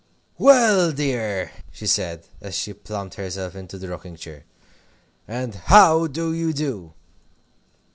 "Well, my dear," she said, as she plumped herself into the rocking chair, "and how do you do?"